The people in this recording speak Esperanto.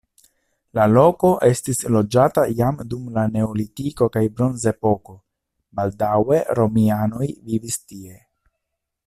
La loko estis loĝata jam dum la neolitiko kaj bronzepoko, baldaŭe romianoj vivis tie.